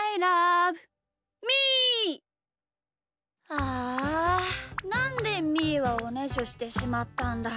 あなんでみーはおねしょしてしまったんだ。